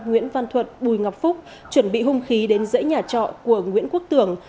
nguyễn văn thuật bùi ngọc phúc chuẩn bị hung khí đến dãy nhà trọ của nguyễn quốc tưởng